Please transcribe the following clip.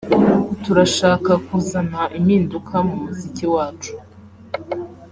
turashaka kuzana impinduka mu muziki wacu